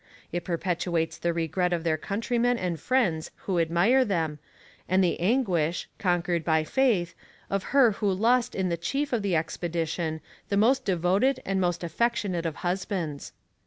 "It perpetuates the regret of their countrymen and friends who admire them, and the anguish, conquered by Faith, of her who lost in the chief of the expedition the most devoted and most affectionate of husbands.